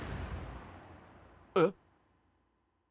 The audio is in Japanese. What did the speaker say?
えっ？